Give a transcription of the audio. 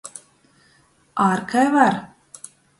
Ar, kai var!